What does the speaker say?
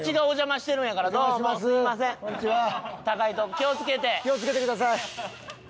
気を付けてください。